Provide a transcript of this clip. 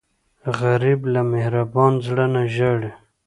غریب له مهربان زړه نه ژاړي